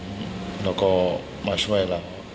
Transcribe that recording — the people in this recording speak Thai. เขามาช่วยเรา